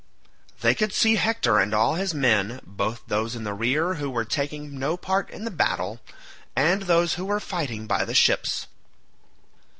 They could see Hector and all his men, both those in the rear who were taking no part in the battle, and those who were fighting by the ships.